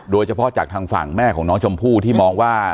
โดยเฉพาะจากทางฝั่งแม่ของน้องชมพู่ที่มองว่า